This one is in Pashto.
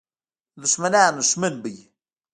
د دښمنانو دښمن به وي.